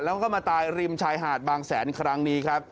แล้วก็มาตายริมชายหาดบางแสนครั้งนี้ครับ